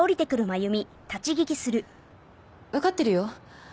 わかってるよ